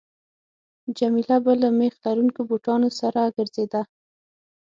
جميله به له میخ لرونکو بوټانو سره ګرځېده.